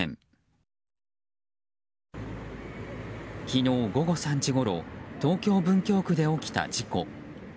昨日午後３時ごろ東京・文京区で起きた事故。